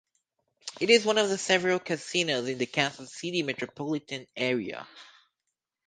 It is one of several casinos in the Kansas City metropolitan area.